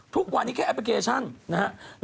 ทุกวันนี้แค่แอปพลิเคชันนะครับ